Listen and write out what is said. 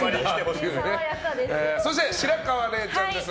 そして、白河れいちゃんです。